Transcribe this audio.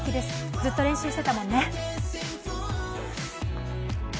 ずっと練習してたもんね。